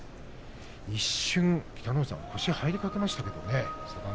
一瞬、北の富士さん腰が入りかけましたけどね。